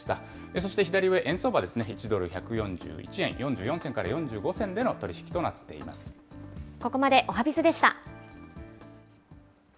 そして左上、円相場ですね、１ドル１４１円４４銭から４５銭でのここまでおはＢｉｚでした。